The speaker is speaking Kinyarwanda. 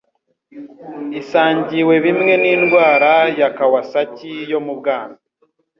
isangiye bimwe n'indwara ya Kawasaki yo mu bwana